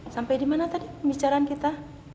sampai di mana tadi pembicaraan kita